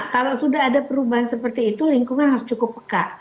kalau sudah ada perubahan seperti itu lingkungan harus cukup peka